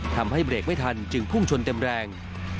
ทำให้เบรกไม่ทันจึงพุ่งชนเต็มแรง